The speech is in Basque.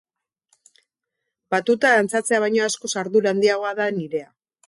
Batuta dantzatzea baino askoz ardura handiagoa da nirea.